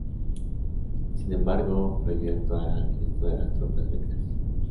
Sin embargo, prohibió actuar al resto de las tropas belgas.